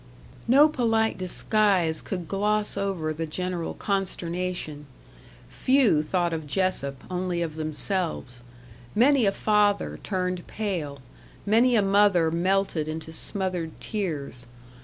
No polite disguise could gloss over the general consternation. Few thought of Jessop only of themselves. Many a father turned pale; many a mother melted into smothered tears.